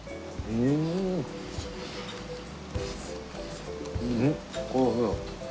うんおいしい。